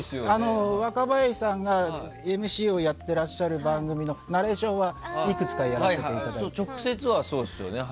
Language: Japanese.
若林さんがＭＣをやってらっしゃる番組のナレーションはいくつかやらせていただいて。